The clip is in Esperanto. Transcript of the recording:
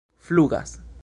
flugas